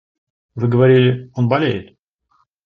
Вы говорили, он болеет.